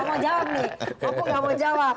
opung enggak mau jawab